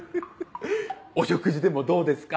「お食事でもどうですか？」